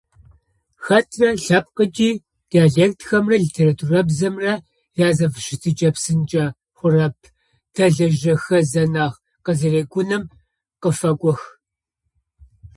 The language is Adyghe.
Хэтрэ лъэпкъыкӏи диалектхэмрэ литературабзэмрэ язэфыщытыкӏэ псынкӏэ хъурэп, дэлажьэхэзэ нахь къызэрекӏуным къыфэкӏох.